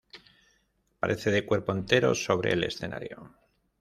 Aparece de cuerpo entero, sobre el escenario.